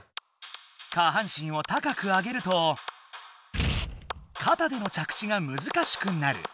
下半身を高く上げるとかたでの着地がむずかしくなる。